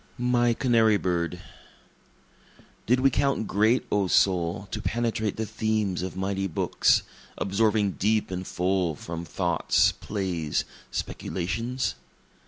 My Canary Bird Did we count great, O soul, to penetrate the themes of mighty books, Absorbing deep and full from thoughts, plays, speculations?